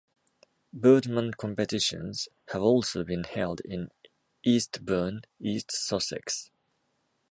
Birdman competitions have also been held in Eastbourne, East Sussex.